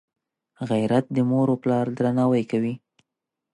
غیرت د موروپلار درناوی کوي